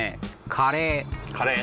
カレーカレー